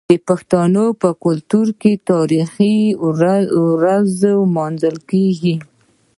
د پښتنو په کلتور کې د تاریخي ورځو لمانځل کیږي.